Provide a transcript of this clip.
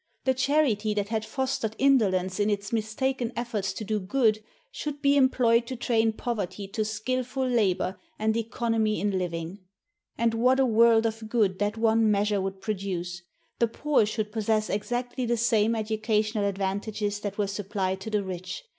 The charity that had fostered indolence in its mistaken efforts to do good, should be employed to train poverty to skillful labor and economy in living. And what a world of good that one measure would produce! The poor should possess exactly the same educational advantages that were supplied to the rich.